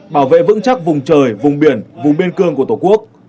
bảo vệ vững chắc vùng trời vùng biển vùng biên cương của tổ quốc